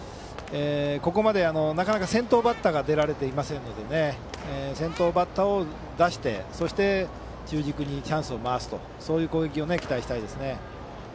ここまでなかなか先頭バッターが出られていませんので先頭バッターを出してそして中軸にチャンスを回すという攻撃を期待したいですね。